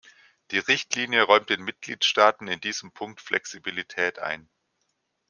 Die Richtlinie räumt den Mitgliedstaaten in diesem Punkt Flexibilität ein.